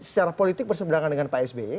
secara politik berseberangan dengan pak sby